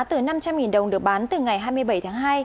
từ năm trăm linh đồng được bán từ ngày hai mươi bảy tháng hai